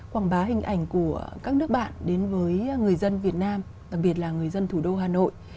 quảng bá hình ảnh của các nước bạn đến với người dân việt nam đặc biệt là người dân thủ đô hà nội